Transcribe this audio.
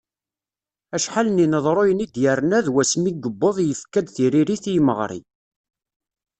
Acḥal n yineḍruyen i d-yerna d wasmi i yuweḍ yefka-d tiririt i yimeɣri.